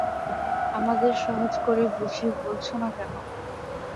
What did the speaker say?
আমাদের সহজ করে বুঝিয়ে বলছো না কেন?